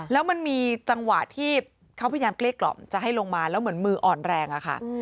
แล้วมันมีจังหวะที่เขาพยายามเกลี้กล่อมจะให้ลงมาแล้วเหมือนมืออ่อนแรงอะค่ะ